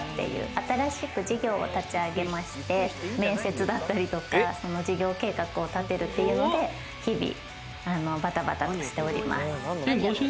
新しく事業を立ち上げまして、面接だったりとか、事業計画を立てるっていうので日々バタバタとしております。